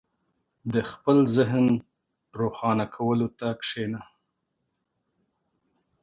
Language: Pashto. • د خپل ذهن د روښانه کولو ته کښېنه.